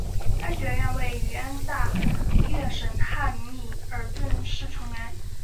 该学院位于安大略省汉密尔顿市成员。